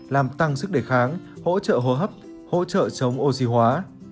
làm tăng sức đề kháng hỗ trợ hô hấp hỗ trợ chống oxy hóa